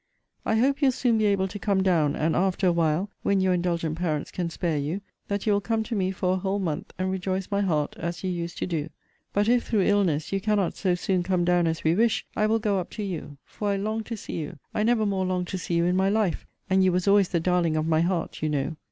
I hope you'll soon be able to come down, and, after a while, when your indulgent parents can spare you, that you will come to me for a whole month, and rejoice my heart, as you used to do. But if, through illness, you cannot so soon come down as we wish, I will go up to you; for I long to see you. I never more longed to see you in my life; and you was always the darling of my heart, you know.